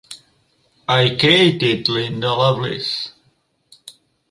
I created Linda Lovelace.